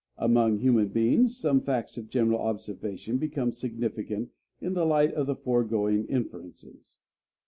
Among human beings, some facts of general observation become significant in the light of the foregoing inferences.